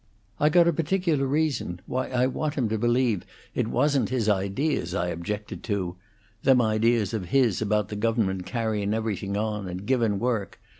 "I got a particular reason why I want him to believe it wasn't his ideas I objected to them ideas of his about the government carryin' everything on and givin' work.